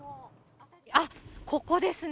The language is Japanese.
あっ、ここですね。